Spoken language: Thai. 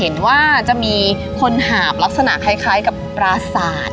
ลักษณะคล้ายกับปราสาท